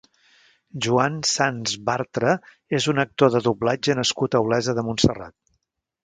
Joan Sanz Bartra és un actor de doblatge nascut a Olesa de Montserrat.